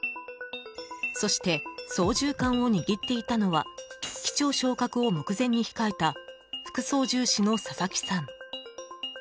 そして操縦かんを握っていたのは機長昇格を目前に控えた副操縦士の佐々木さん。